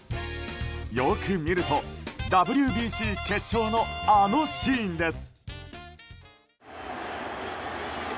よく見るとＷＢＣ決勝の、あのシーンです。